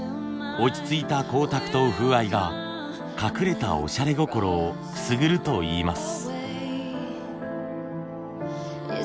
落ち着いた光沢と風合いが隠れたおしゃれ心をくすぐるといいます。